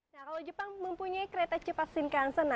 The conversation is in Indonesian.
kalau jepang mempunyai kereta cepat shinkansen